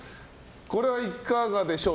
これはいかがでしょう？